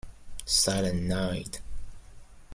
Silent Night.